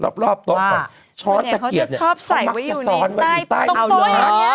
ส่วนเดียวเขาจะชอบใส่ไว้ในใต้ตุ๊กโต๊ะอย่างนี้